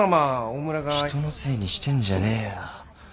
人のせいにしてんじゃねえよ。